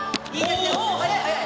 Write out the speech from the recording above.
速い、速い。